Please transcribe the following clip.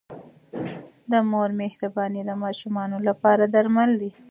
د مور مهرباني د ماشومانو لپاره درمل دی.